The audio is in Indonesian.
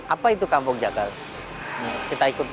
apa itu kampung jagal kita ikuti